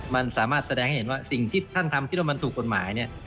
มันสามารถแสดงให้เห็นว่าสิ่งที่ท่านทำคิดว่ามันถูกกฎหมายเนี่ย